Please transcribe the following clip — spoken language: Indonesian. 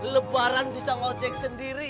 lebaran bisa ngocek sendiri